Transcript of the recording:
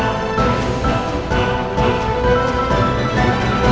aaaaa initiatives dijuangkan ahyika